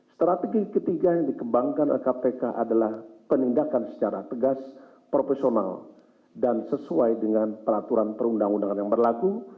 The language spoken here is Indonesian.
strategi ketiga yang dikembangkan oleh kpk adalah penindakan secara tegas profesional dan sesuai dengan peraturan perundang undangan yang berlaku